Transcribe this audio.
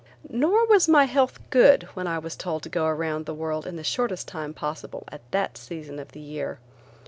Nor was my health good when I was told to go around the world in the shortest time possible at that season of the year.